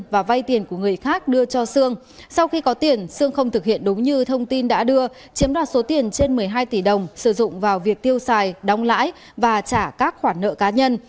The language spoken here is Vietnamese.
và vay tiền của người khác đưa cho sương sau khi có tiền sương không thực hiện đúng như thông tin đã đưa chiếm đoạt số tiền trên một mươi hai tỷ đồng sử dụng vào việc tiêu xài đóng lãi và trả các khoản nợ cá nhân